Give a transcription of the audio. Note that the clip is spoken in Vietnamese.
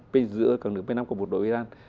bên giữa các nước bên năm của bộ đội iran